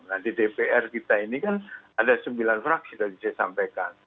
nah di dpr kita ini kan ada sembilan fraksi tadi saya sampaikan